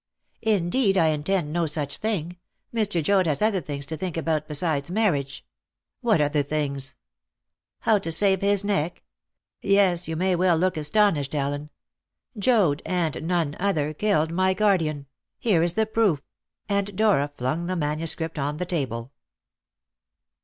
"Indeed, I intend no such thing! Mr. Joad has other things to think about besides marriage." "What other things?" "How to save his neck. Yes, you may well look astonished, Allen. Joad, and none other, killed my guardian! Here is the proof!" and Dora flung the manuscript on the table.